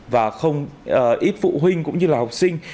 và không ít phụ huynh cũng như là học sinh